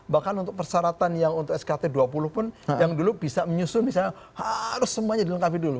bahkan untuk persyaratan yang untuk skt dua puluh pun yang dulu bisa menyusun misalnya harus semuanya dilengkapi dulu